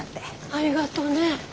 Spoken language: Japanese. ありがとね。